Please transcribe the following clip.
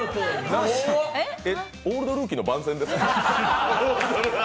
「オールドルーキー」の番宣ですか？